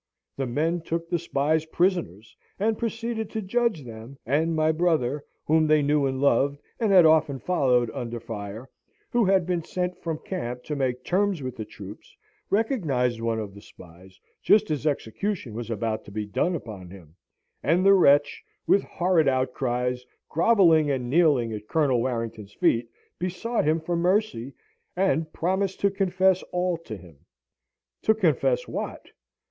The men took the spies prisoners, and proceeded to judge them, and my brother (whom they knew and loved, and had often followed under fire), who had been sent from camp to make terms with the troops, recognised one of the spies, just as execution was about to be done upon him and the wretch, with horrid outcries, grovelling and kneeling at Colonel Warrington's feet, besought him for mercy, and promised to confess all to him. To confess what?